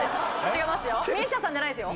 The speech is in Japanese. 違いますよ。